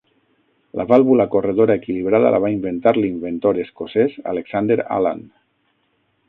La vàlvula corredora equilibrada la va inventar l'inventor escocès Alexander Allan.